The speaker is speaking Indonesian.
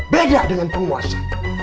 beda dengan penguasa